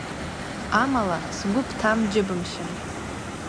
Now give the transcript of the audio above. Амала, сгәы бҭам џьыбымшьан!